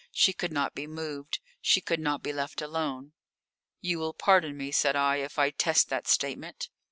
She could not be moved. She could not be left alone." "You will pardon me," said I, "if I test that statement."